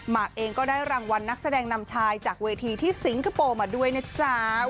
หกเองก็ได้รางวัลนักแสดงนำชายจากเวทีที่สิงคโปร์มาด้วยนะจ๊ะ